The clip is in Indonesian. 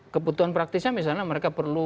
kebutuhan praktisnya misalnya mereka perlu